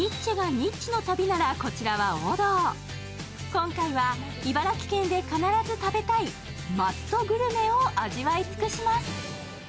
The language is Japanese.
今回は茨城県で必ず食べたい、マストグルメを味わいつくします。